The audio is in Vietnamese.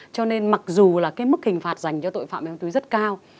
cho nên mặc dù là cái mức hình phạt dành cho tội phạm ma túy rất cao